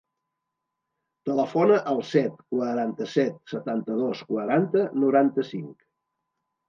Telefona al set, quaranta-set, setanta-dos, quaranta, noranta-cinc.